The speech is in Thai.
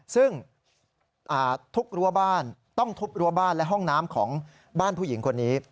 ซึ่งทุกรั้วบ้านต้องทุบรั้วบ้านและห้องน้ำของบ้านผู้หญิงคนนี้